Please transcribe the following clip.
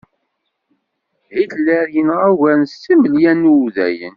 Hitler yenɣa ugar n setta imelyan n wudayen.